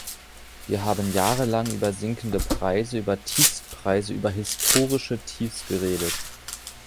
Wir haben jahrelang über sinkende Preise, über Tiefstpreise, über historische Tiefs geredet.